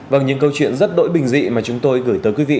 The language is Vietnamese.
vâng những câu chuyện rất đỗi bình dị mà chúng tôi gửi tới quý vị